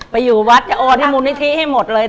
ไปอยู่วัฒน์จะโอนให้มุนทิศให้หมดเลย